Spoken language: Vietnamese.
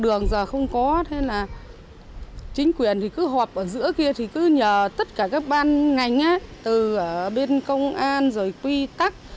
ở giữa kia thì cứ nhờ tất cả các ban ngành từ bên công an rồi quy tắc